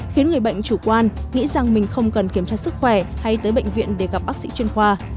khiến người bệnh chủ quan nghĩ rằng mình không cần kiểm tra sức khỏe hay tới bệnh viện để gặp bác sĩ chuyên khoa